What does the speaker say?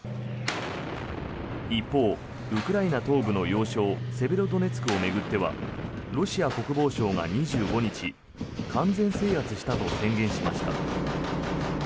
一方、ウクライナ東部の要衝セベロドネツクを巡ってはロシア国防省が２５日完全制圧したと宣言しました。